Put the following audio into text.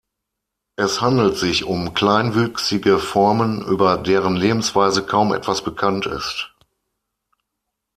Es handelt sich um kleinwüchsige Formen, über deren Lebensweise kaum etwas bekannt ist.